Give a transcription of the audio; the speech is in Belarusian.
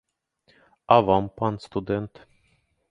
А вам, пан студэнт?